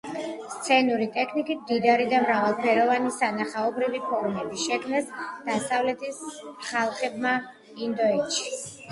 სცენური ტექნიკით. მდიდარი და მრავალფეროვანი სანახაობრივი ფორმები შექმნეს აღმოსავლეთის ხალხებმა ინდოეთშ